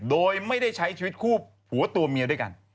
โดยไม่ได้ใช้ชีวิตคู่ผัวตัวเมียด้วยกัน